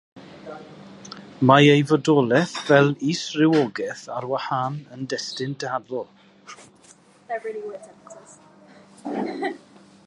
Mae ei fodolaeth fel is-rywogaeth ar wahân yn destun dadl.